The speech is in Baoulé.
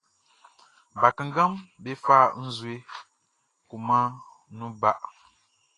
Bakannganʼm be fa nzue kunmanʼn nun ba.